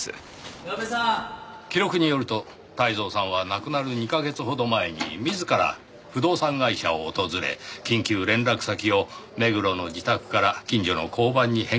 記録によると泰造さんは亡くなる２カ月ほど前に自ら不動産会社を訪れ緊急連絡先を目黒の自宅から近所の交番に変更していたようです。